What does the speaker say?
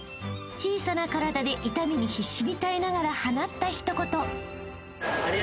［小さな体で痛みに必死に耐えながら放った一言］